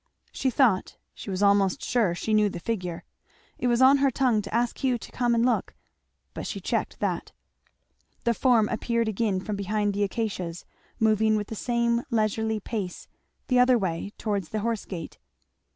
She thought, she was almost sure, she knew the figure; it was on her tongue to ask Hugh to come and look, but she checked that. The form appeared again from behind the acacias, moving with the same leisurely pace the other way towards the horse gate.